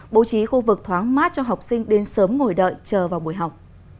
bố trí khu vực thoáng mát cho học sinh đến sớm ngồi đợi chờ vào buổi học